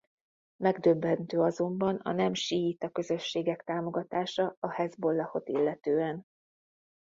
Megdöbbentő azonban a nem síita közösségek támogatása a Hezbollah-ot illetően.